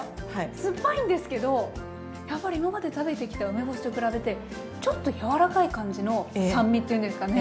酸っぱいんですけどやっぱり今まで食べてきた梅干しと比べてちょっと柔らかい感じの酸味っていうんですかね？